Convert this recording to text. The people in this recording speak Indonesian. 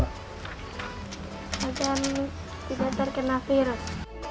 agar tidak terkena virus